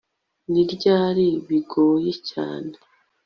ni ryari bigoye cyane